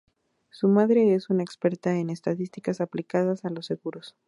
Su madre era una experta en estadística aplicada a los seguros.